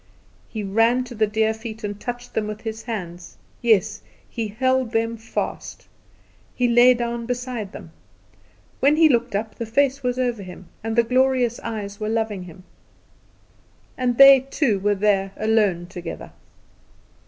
He ran to the dear feet and touched them with his hands; yes, he held them fast! He lay down beside them. When he looked up the face was over him, and the glorious eyes were loving him; and they two were there alone together.